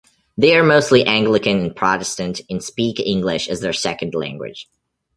They are mostly Anglican and Protestant and speak English as their second language.